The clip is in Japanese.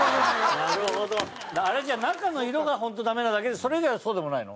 あれじゃあ中の色が本当ダメなだけでそれ以外はそうでもないの？